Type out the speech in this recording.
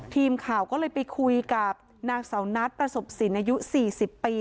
ทีมข่าวก็เลยไปคุยกับนางเสานัทประสบสินอายุ๔๐ปี